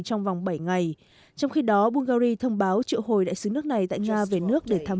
trong vòng bảy ngày trong khi đó bungary thông báo triệu hồi đại sứ nước này tại nga về nước để tham